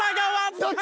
どっちだ？